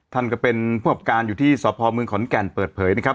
ท่านก็เป็นผู้ประการอยู่ที่สพเมืองขอนแก่นเปิดเผยนะครับ